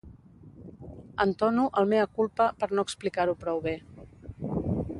Entono el ‘mea culpa’ per no explicar-ho prou bé.